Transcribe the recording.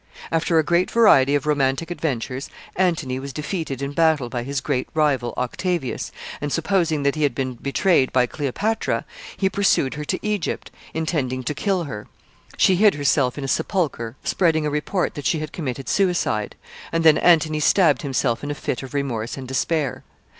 After a great variety of romantic adventures, Antony was defeated in battle by his great rival Octavius, and, supposing that he had been betrayed by Cleopatra, he pursued her to Egypt, intending to kill her. She hid herself in a sepulcher, spreading a report that she had committed suicide, and then Antony stabbed himself in a fit of remorse and despair.